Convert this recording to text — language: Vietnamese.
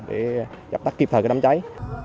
để nhập tác kịp thời cái đám cháy